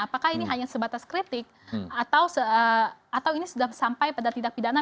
apakah ini hanya sebatas kritik atau ini sudah sampai pada tindak pidana